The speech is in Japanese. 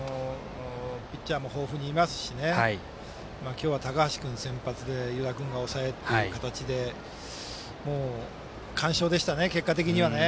ピッチャーも豊富にいますし今日は、高橋君先発で湯田君が抑えという形で完勝でしたね、結果的にはね。